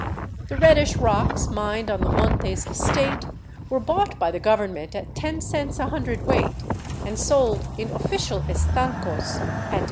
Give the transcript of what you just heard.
The reddish rocks mined on the Montes estate were bought by the govern ment at ten cents a hundred weight — and sold in official estancos at $2.